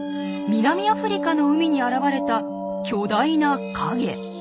南アフリカの海に現れた巨大な影。